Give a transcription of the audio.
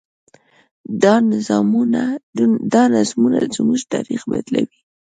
دا نظمونه زموږ تاریخ بدلوي.